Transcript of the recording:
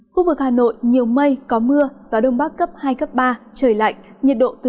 khu vực hà nội nhiều mây có mưa gió đông bắc cấp hai ba trời lạnh nhiệt độ từ một mươi chín hai mươi bốn độ